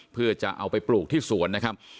เพื่อจะเอาไปปลูกที่สวนนะครับ